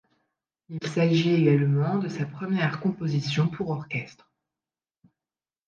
Il s'agit également de sa première composition pour orchestre.